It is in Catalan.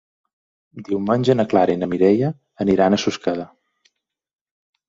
Diumenge na Clara i na Mireia aniran a Susqueda.